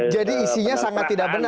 jadi isinya sangat tidak benar ya